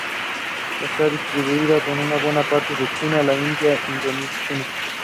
Incumbent Vice Mayor Eric Africa is running for Mayor.